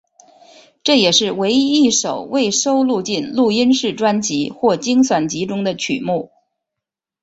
这也是唯一一首未收录进录音室专辑或精选集中的曲目。